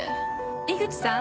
井口さん？